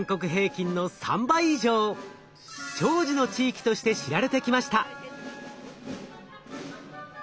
長寿の地域として知られてきました。